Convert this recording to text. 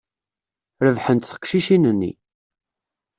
Rebḥent teqcicin-nni.